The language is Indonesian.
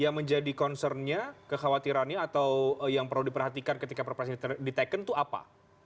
yang menjadi concernnya kekhawatirannya atau yang perlu diperhatikan ketika perpres ini diteken itu apa